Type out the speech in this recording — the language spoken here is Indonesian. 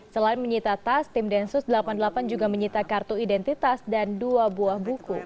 selain menyita tas tim densus delapan puluh delapan juga menyita kartu identitas dan dua buah buku